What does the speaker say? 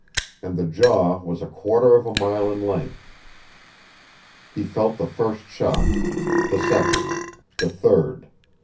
And the jaw was a quarter of a mile in length. He felt the first shock, the second, the third.